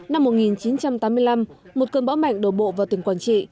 năm một nghìn chín trăm tám mươi năm một cơn bão mạnh đổ bộ vào tỉnh quảng trị